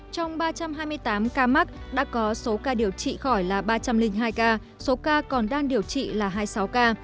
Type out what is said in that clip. trong ba trăm hai mươi tám ca mắc đã có số ca điều trị khỏi là ba trăm linh hai ca số ca còn đang điều trị là hai mươi sáu ca